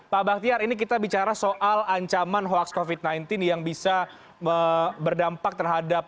pak bahtiar ini kita bicara soal ancaman hoax covid sembilan belas yang bisa berdampak terhadap